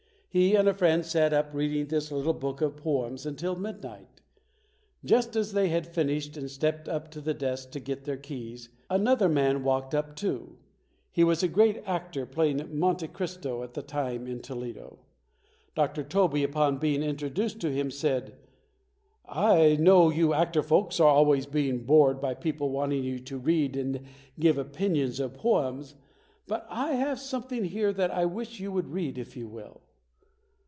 He and a friend sat up reading this little book of poems until midnight. Just as they had finished and stepped up to the desk to get their keys, an other man walked up too. He was a great actor playing Monte Cristo at that time in Toledo. Dr. Tobey upon being introduced to him said, "I know you actor folks are always being bored by people wanting you to read and give opinions of poems, but I have something here that I wish you would read if you will".